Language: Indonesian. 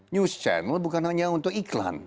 news channel bukan hanya untuk iklan